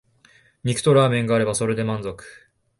肉とラーメンがあればそれで満足